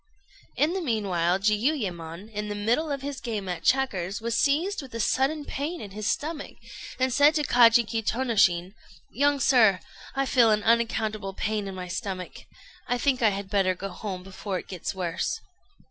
In the meanwhile Jiuyémon, in the middle of his game at checkers, was seized with a sudden pain in his stomach, and said to Kajiki Tônoshin, "Young sir, I feel an unaccountable pain in my stomach. I think I had better go home, before it gets worse."